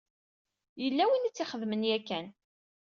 Yella win i tt-ixedmen yakan.